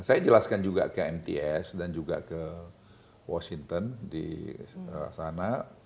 saya jelaskan juga ke mts dan juga ke washington di sana